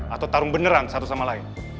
atau tarung beneran satu sama lain